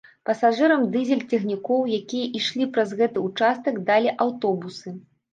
Пасажырам дызель-цягнікоў, якія ішлі праз гэты ўчастак, далі аўтобусы.